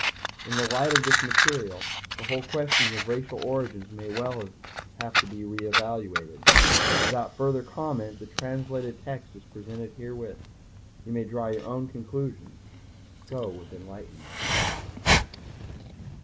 In the light of this material, the whole question of racial origins may well have to be reevaluated. Without further comment, the translated text is presented herewith. You may draw your own conclusions. Go with enlightenment.